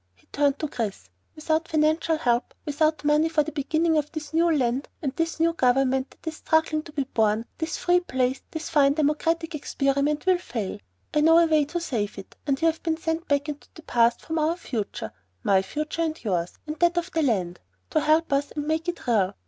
He turned to Chris. "Without financial help, without money for the beginning of this new land and this new government that is struggling to be born, this free place and this fine democratic experiment will fail. I know a way to save it, and you have been sent back into the past from our future my future and yours, and that of the land to help us and make it real.